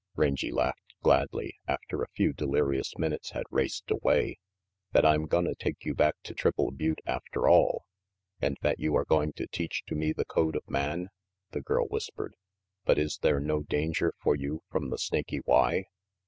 Rangy laughed gladly, after a few delirious minutes had raced away, "that I'm gonna take you back to Triple Butte, after all?" "And that you are going to teach to me the code of man?" the girl whispered. "But is there no danger for you, from the Snaky Y?"